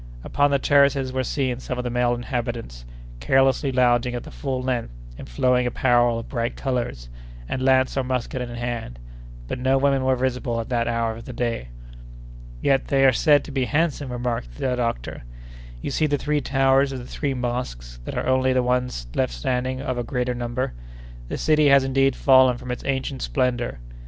Upon the terraces were seen some of the male inhabitants, carelessly lounging at full length in flowing apparel of bright colors, and lance or musket in hand; but no women were visible at that hour of the day. "Yet they are said to be handsome," remarked the doctor. "You see the three towers of the three mosques that are the only ones left standing of a great number—the city has indeed fallen from its ancient splendor!